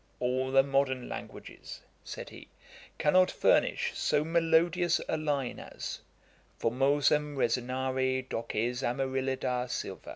'All the modern languages (said he) cannot furnish so melodious a line as 'Formosam resonare doces Amarillida silvas.'